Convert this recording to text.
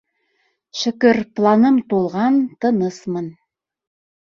Шөкөр, планым тулған, тынысмын.